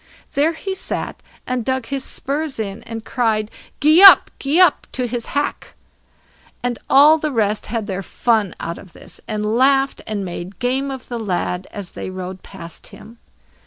There he sat and dug his spurs in, and cried, "Gee up, gee up!" to his hack. And all the rest had their fun out of this, and laughed, and made game of the lad as they rode past him.